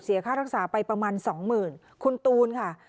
ค่ารักษาไปประมาณสองหมื่นคุณตูนค่ะ